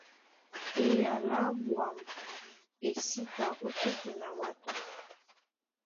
Eyala á ɓwâm é sí ta ótétena ɓato.